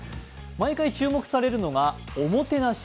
毎回注目されるのがおもてなし